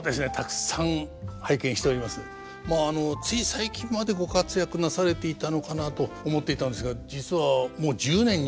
まあつい最近までご活躍なされていたのかなと思っていたんですが実はもう１０年になると聞いて亡くなられて。